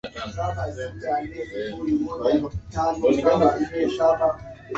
karamu za chai na kupeana zawadi ndogo ndogo